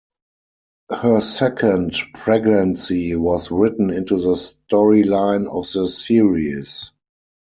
Her second pregnancy was written into the storyline of the series.